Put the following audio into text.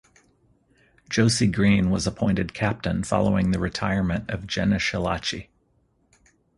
Josie Green was appointed captain following the retirement of Jenna Schillaci.